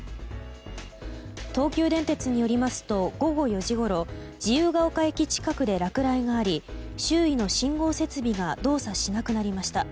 東急電鉄によりますと午後４時ごろ自由が丘駅近くで落雷があり周囲の信号設備が動作しなくなりました。